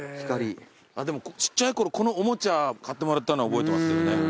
でもちっちゃいころこのおもちゃ買ってもらったのは覚えてますけどね。